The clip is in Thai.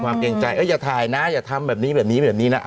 เกรงใจอย่าถ่ายนะอย่าทำแบบนี้แบบนี้แบบนี้นะ